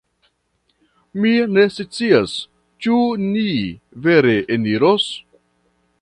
Mi ne scias, ĉu ni vere eniros